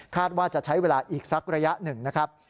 ว่าจะใช้เวลาอีกสักระยะหนึ่งนะครับ